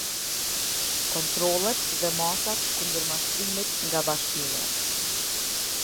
Kontrollet dhe masat kundër mashtrimit nga Bashkimi.